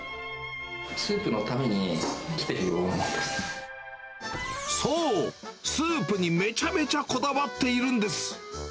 スープのために来てるようなそう、スープにめちゃめちゃこだわっているんです。